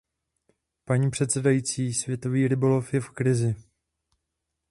Paní předsedající, světový rybolov je v krizi.